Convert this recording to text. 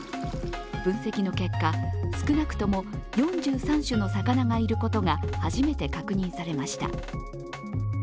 分析の結果、少なくとも４３種の魚がいることが初めて確認されました。